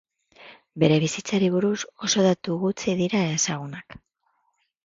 Bere bizitzari buruz oso datu gutxi dira ezagunak.